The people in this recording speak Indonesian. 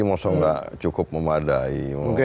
maksudnya tidak cukup memadai